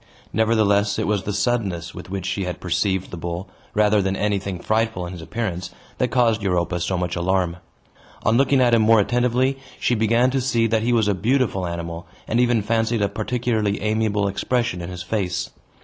Nevertheless, it was the suddenness with which she had perceived the bull, rather than anything frightful in his appearance, that caused Europa so much alarm. On looking at him more attentively, she began to see that he was a beautiful animal, and even fancied a particularly amiable expression in his face.